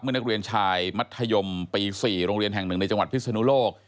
นักเรียนชายมัธยมปี๔โรงเรียนแห่งหนึ่งในจังหวัดพิศนุโลก